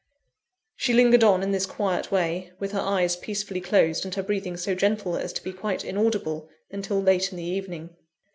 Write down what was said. She lingered on in this quiet way, with her eyes peacefully closed, and her breathing so gentle as to be quite inaudible, until late in the evening.